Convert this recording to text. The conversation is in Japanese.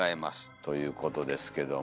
ということですけども。